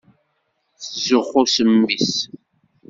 Tettzuxxu s mmi-s.